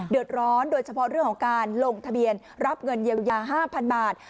โดยเฉพาะเรื่องของการลงทะเบียนรับเงินเยียวยา๕๐๐๐บาท